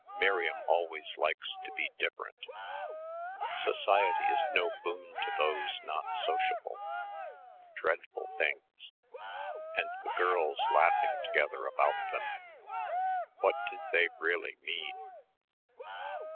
"Miriam always likes to be different" "Society is no boon to those not sociable." Dreadful things ... and the girls laughing together about them. What did they really mean?